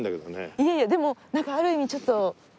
いえいえでもなんかある意味ちょっといいですね